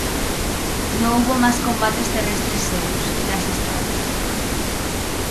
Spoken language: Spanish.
No hubo más combates terrestres serios, tras esta batalla.